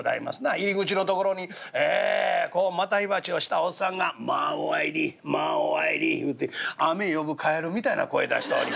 入り口の所にこう股火鉢をしたおっさんが「まあお入りまあお入り」言うて雨呼ぶカエルみたいな声出しておりまして。